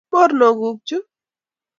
Mornoguk chuu